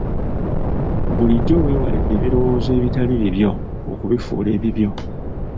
Bulijjo weewale ebirowoozo ebitali bibyo okubifuula ebibyo.